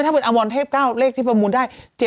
ถ้าเป็นอมรเทพ๙เลขที่ประมูลได้